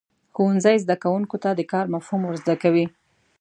ښوونځی زده کوونکو ته د کار مفهوم ورزده کوي.